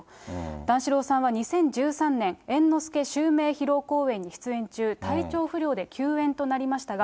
段四郎さんは２０１３年、猿之助襲名披露公演に出演中、体調不良で休演となりましたが、